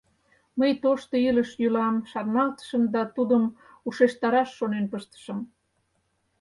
Мый тошто илыш-йӱлам шарналтышым да тудым ушештараш шонен пыштышым.